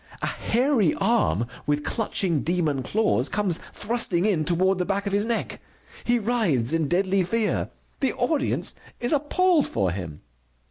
A hairy arm with clutching demon claws comes thrusting in toward the back of his neck. He writhes in deadly fear. The audience is appalled for him.